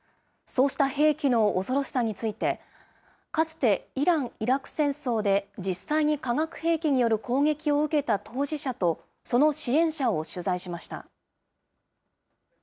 そうした兵器の恐ろしさについて、かつてイラン・イラク戦争で実際に化学兵器による攻撃を受けた当事者と、その支援者を取材しました。